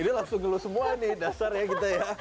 ini langsung ngeluh semua nih dasarnya kita ya